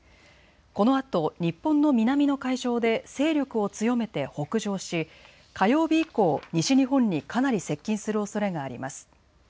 このあと日本の南の海上で勢力を強めて北上し火曜日以降、西日本にかなり接近するおそれがあります。